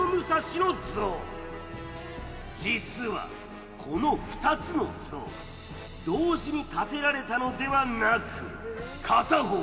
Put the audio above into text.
実はこの２つの像同時に建てられたのではなく。